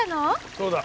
そうだ。